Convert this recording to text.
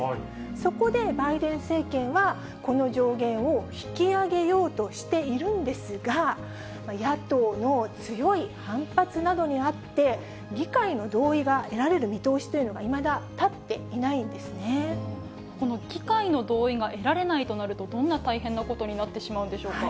そこで、バイデン政権はこの上限を引き上げようとしているんですが、野党の強い反発などにあって、議会の同意が得られる見通しというのがいまだ立っていないんですこの議会の同意が得られないとなると、どんな大変なことになってしまうんでしょうか。